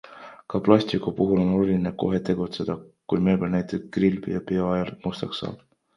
Ka plastiku puhul on oluline kohe tegutseda, kui mööbel näiteks grillpeo ajal mustaks saab.